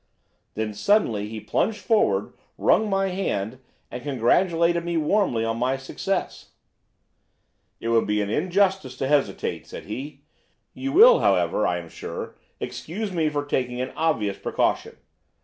Then suddenly he plunged forward, wrung my hand, and congratulated me warmly on my success. "'It would be injustice to hesitate,' said he. 'You will, however, I am sure, excuse me for taking an obvious precaution.